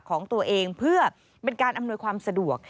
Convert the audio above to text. ของตัวเองเพื่อเป็นการอำนวยความสะดวก